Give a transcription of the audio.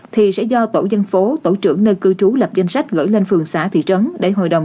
thì sẽ do tổ dân phố tổ trưởng nơi cư trú lập danh sách gửi lên phường xã thị trấn để hội đồng